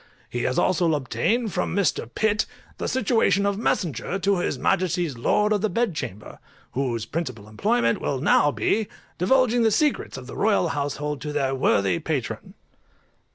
He has also obtained from Mr. PITT the situation of messenger to his Majesty's lords of the bed chamber, whose principal employment will now be, divulging the secrets of the Royal household to their worthy Patron.